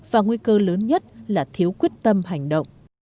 và nguy cơ lớn nhất là thiếu quyết tâm hành động